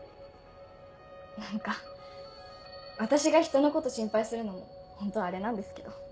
何か私が人のこと心配するのもホントあれなんですけど。